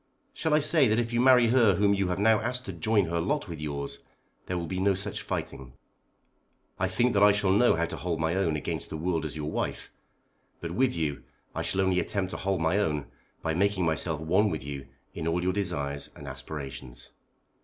Shall I say that if you marry her whom you have now asked to join her lot with yours, there will be no such fighting? I think that I shall know how to hold my own against the world as your wife. But with you I shall only attempt to hold my own by making myself one with you in all your desires and aspirations.